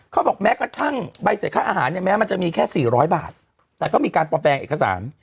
เขาบอกแม้กระทั่งใบเสร็จค่าอาหารเนี่ยแม้มันจะมีแค่๔๐๐บาทแต่ก็มีการปลอมแปลงเอกสาร